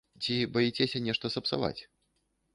Ці баіцеся нешта сапсаваць?